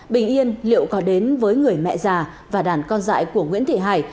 bình yên liệu có đến với người mẹ già và đàn con dại của nguyễn thị hải